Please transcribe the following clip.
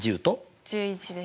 １１です。